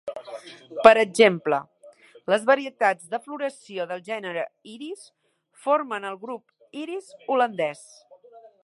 Per exemple, les varietats de floració del gènere "iris" formen el grup "iris" holandès.